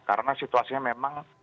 karena situasinya memang